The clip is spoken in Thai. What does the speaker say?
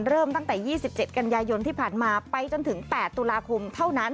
เริ่มตั้งแต่๒๗กันยายนที่ผ่านมาไปจนถึง๘ตุลาคมเท่านั้น